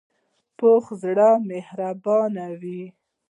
پوخ زړه مهربانه وي